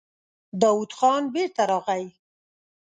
داوود خان بېرته راغی.